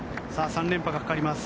３連覇がかかります。